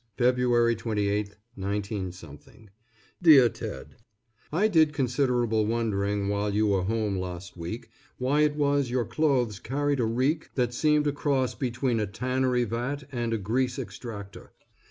_February 28, 19 _ DEAR TED: I did considerable wondering while you were home last week, why it was your clothes carried a reek that seemed a cross between a tannery vat and a grease extractor.